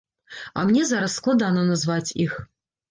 А мне зараз складана назваць іх.